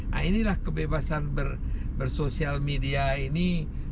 nah inilah kebebasan bersosial media ini